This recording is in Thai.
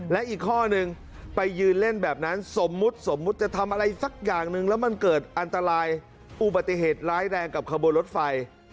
และอีกข้อนึงไปยืนเล่นแบบนั้นสมมุติสมมุติจะทำอะไรสักอย่างหนึ่งแล้วมันเกิดอันตรายอุบัติเหตุร้ายแรงกับขบวนรถไฟ